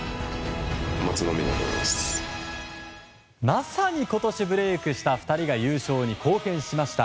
まさに今年ブレークした２人が優勝に貢献しました。